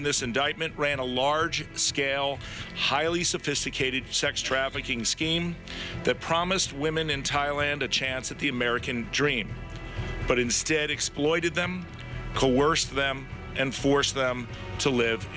ติดตามเรื่องนี้จากรายงานครับ